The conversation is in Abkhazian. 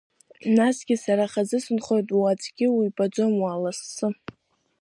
Насгьы сара хазы сынхоит, уа аӡәгьы уибаӡом, уааласы…